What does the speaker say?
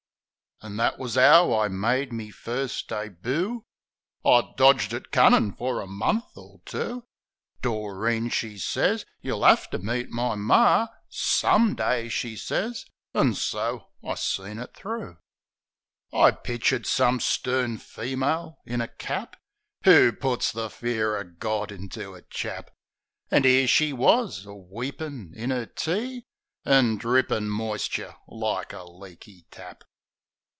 An' that wus 'ow I made me first deboo. I'd dodged it cunnin' fer a month or two. Doreen she sez, "You'll 'ave to meet my Mar, Some day," she sez. An' so I seen it thro'. I'd pictered some stern female in a cap Wot puts the fear o' Gawd into a chap. An' 'ere she wus, aweepin' in 'er tea An' drippin' moistcher like a leaky tap.